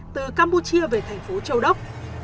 từ campuchia về thành phố châu đốc